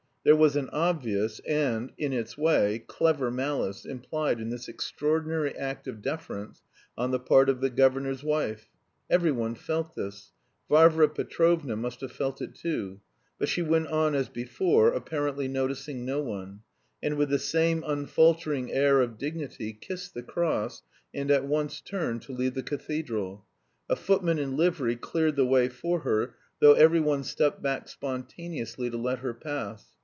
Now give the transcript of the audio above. There was an obvious and, in its way, clever malice implied in this extraordinary act of deference on the part of the governor's wife; every one felt this; Varvara Petrovna must have felt it too; but she went on as before, apparently noticing no one, and with the same unfaltering air of dignity kissed the cross, and at once turned to leave the cathedral. A footman in livery cleared the way for her, though every one stepped back spontaneously to let her pass.